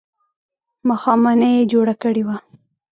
ماښامنۍ یې جوړه کړې وه.